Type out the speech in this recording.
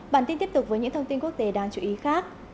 bản tin tiếp tục với những thông tin quốc tế đáng chú ý khác